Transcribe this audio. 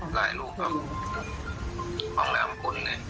ครับ